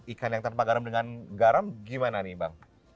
ikan yang tanpa garam dengan garam gimana nih bang